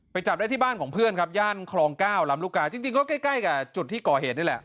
จับได้ที่บ้านของเพื่อนครับย่านคลองเก้าลำลูกกาจริงก็ใกล้กับจุดที่ก่อเหตุนี่แหละ